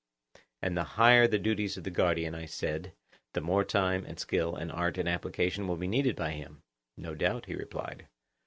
And the higher the duties of the guardian, I said, the more time, and skill, and art, and application will be needed by him? No doubt, he replied.